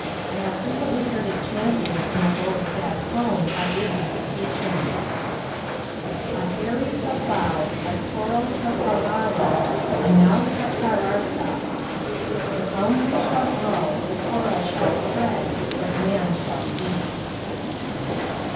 I have frequently heard it chanted, in a low, sad tone, by aged Tahi tians: —" A harree ta fow, A toro ta farraro, A now ta tararta." The palm tree shall grow, The coral shall spread, But man shall cease.